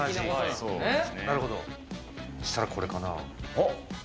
そしたらこれかな。